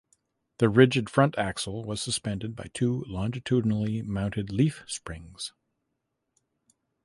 The rigid front axle was suspended by two longitudinally mounted leaf springs.